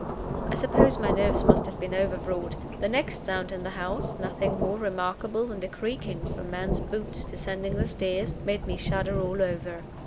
I suppose my nerves must have been overwrought. The next sound in the house nothing more remarkable than the creaking of a man's boots descending the stairs made me shudder all over.